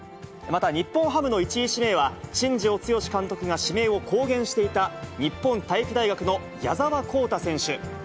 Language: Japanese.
また、日本ハムの１位指名は、新庄剛志監督が指名を公言していた日本体育大学の矢澤宏太選手。